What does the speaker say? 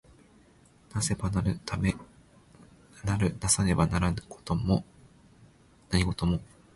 為せば成る為さねば成らぬ何事も。